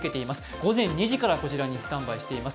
午前２時からこちらにスタンバイしています。